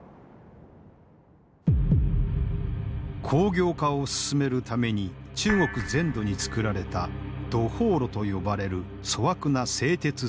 工業化を進めるために中国全土に作られた土法炉と呼ばれる粗悪な製鉄設備。